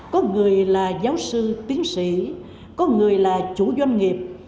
có người là giáo sư tiến sĩ có người là chủ doanh nghiệp